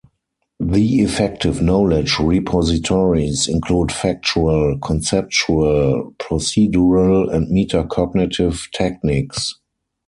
The effective knowledge repositories include factual, conceptual, procedural and meta-cognitive techniques.